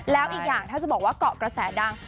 แล้วอีกอย่างถ้าจะบอกว่าเกาะกระแสดัง